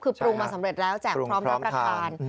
คือปรุงมาสำเร็จแล้วแจกพร้อมรับประทาน